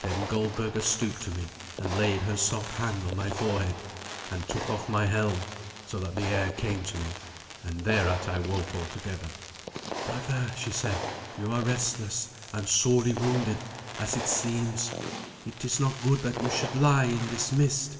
Then Goldberga stooped to me, and laid her soft hand on my forehead, and took off my helm, so that the air came to me, and thereat I woke altogether. "Brother," she said, "you are restless and sorely wounded, as it seems. It is not good that you should lie in this mist."